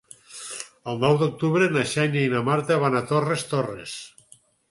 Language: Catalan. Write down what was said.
El nou d'octubre na Xènia i na Marta van a Torres Torres.